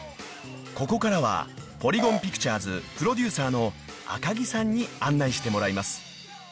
［ここからはポリゴン・ピクチュアズプロデューサーの赤木さんに案内してもらいます］